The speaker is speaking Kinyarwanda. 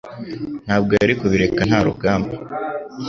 Ntabwo yari kubireka nta rugamba.